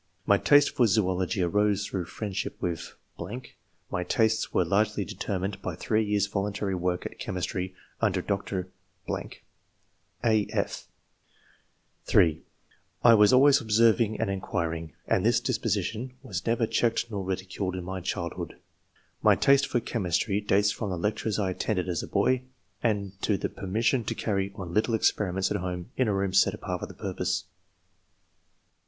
My taste for zoology arose through friendsliip with .... My tastes were largely determined by three years' voluntary work at rhcmistry, under Dr " (a, f) (3) '*I was always observing and inquiring, and this disposition was never checked nor ridi culed in my childhood. My taste for chemistry dates from the lectures I attended as a boy, and to the permission to carry on little experiments at home in a room set apart for the purpose.